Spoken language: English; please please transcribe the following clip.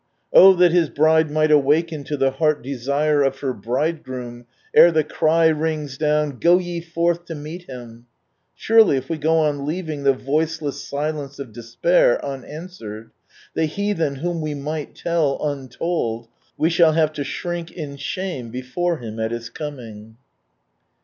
Oh that His Bride might awaken to the heart desire of her Bridegroom, ere the cry rings down, " Go ye forth to meet Him!" Surely if we go on leaving "the voiceless silence of despair " un answered, the heathen, whom we might tell, untold, we shall have to "shrink in shame before Him at His coming."